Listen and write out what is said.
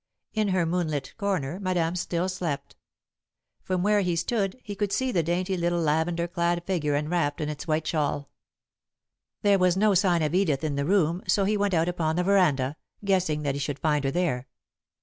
In her moonlit corner, Madame still slept. From where he stood, he could see the dainty little lavender clad figure enwrapped in its white shawl. There was no sign of Edith in the room, so he went out upon the veranda, guessing that he should find her there.